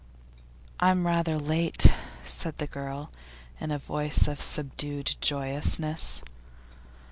'I'm rather late,' said the girl, in a voice of subdued joyousness.